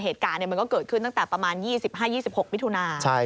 เหตุการณ์มันก็เกิดขึ้นตั้งแต่ประมาณ๒๕๒๖มิถุนา